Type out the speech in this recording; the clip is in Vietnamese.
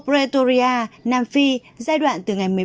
retoria nam phi giai đoạn từ ngày một mươi bảy